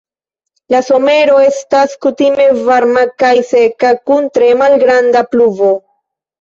La somero estas kutime varma kaj seka kun tre malgranda pluvo.